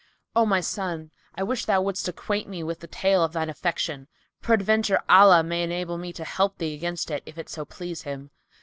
O my son, I wish thou wouldest acquaint me with the tale of thine affliction. Peradventure Allah may enable me to help thee against it, if it so please Him."